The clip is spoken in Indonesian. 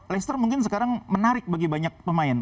leicester mungkin sekarang menarik bagi banyak pemain